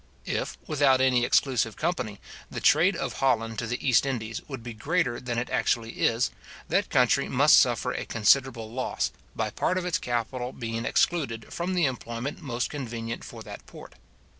If, without any exclusive company, the trade of Holland to the East Indies would be greater than it actually is, that country must suffer a considerable loss, by part of its capital being excluded from the employment most convenient for that port.